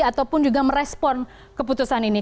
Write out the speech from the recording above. ataupun juga merespon keputusan ini